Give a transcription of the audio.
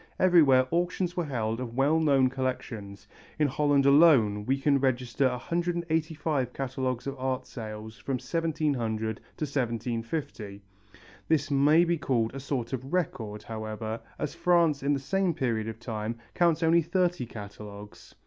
Everywhere auctions were held of well known collections; in Holland alone we can register 185 catalogues of art sales from 1700 to 1750. This may be called a sort of record, however, as France in the same period of time counts only thirty catalogues.